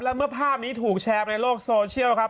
แล้วเมื่อภาพนี้ถูกแชร์ไปในโลกโซเชียลครับ